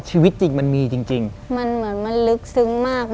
ชีวิตจริงมันมีจริงจริงมันเหมือนมันลึกซึ้งมาก